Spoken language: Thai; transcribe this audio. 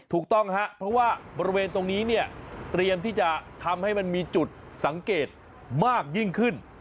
ถูกต้องครับเพราะว่าบริเวณตรงนี้เนี่ยเตรียมที่จะทำให้มันมีจุดสังเกตมากยิ่งขึ้น